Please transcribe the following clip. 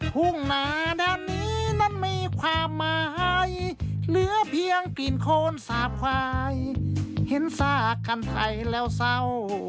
ทุ่งนาด้านนี้นั้นมีความหมายเหลือเพียงกลิ่นโคนสาบควายเห็นสากคันไทยแล้วเศร้า